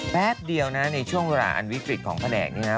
แป๊บเดียวนะในช่วงเวลาอันวิกฤตของแผนกนี้นะ